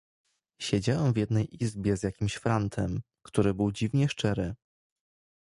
"siedziałem w jednej izbie z jakimś frantem, który był dziwnie szczery."